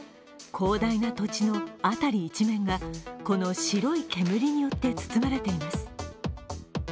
広大な土地の辺り一面がこの白い煙によって包まれています。